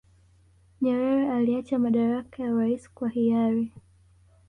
nyerere aliacha madaraka ya uraisi kwa hiyari